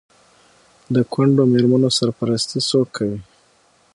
د کونډو میرمنو سرپرستي څوک کوي؟